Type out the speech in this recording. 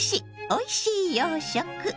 おいしい洋食」。